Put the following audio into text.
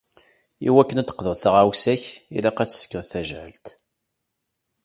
I wakken ad d-teqḍuḍ taɣawsa-k, ilaq ad tefkeḍ tajɛelt.